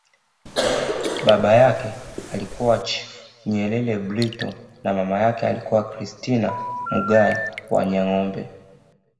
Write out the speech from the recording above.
Baba yake alikuwa Chifu Nyerere Burito na mama yake alikuwa Christina Mugaya Wanyangombe